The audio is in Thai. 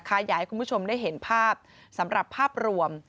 อยากให้คุณผู้ชมได้เห็นภาพสำหรับภาพรวม